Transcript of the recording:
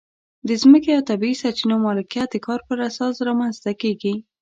د ځمکې او طبیعي سرچینو مالکیت د کار پر اساس رامنځته کېږي.